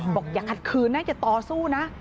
อย่าขัดขืนนะอย่าต่อสู้นะ